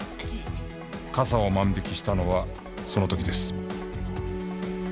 傘を万引きしたのはその時です。